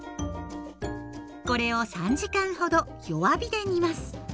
これを３時間ほど弱火で煮ます。